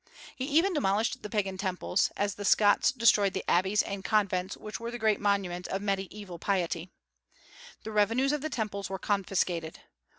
He even demolished the Pagan temples, as the Scots destroyed the abbeys and convents which were the great monuments of Mediaeval piety. The revenues of the temples were confiscated.